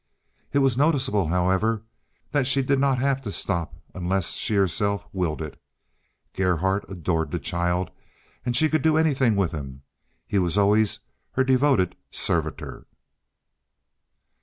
It was noticeable, however, that she did not have to stop unless she herself willed it. Gerhardt adored the child, and she could do anything with him; he was always her devoted servitor.